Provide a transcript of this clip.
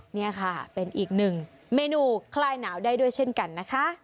นี่ค่ะเป็นอีกหนึ่งเมนูคลายหนาวได้ด้วยเช่นกันนะคะ